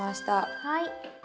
はい。